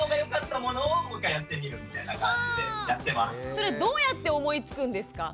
それどうやって思いつくんですか？